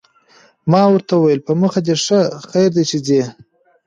ما ورته وویل: په مخه دې ښه، خیر دی چې ځې.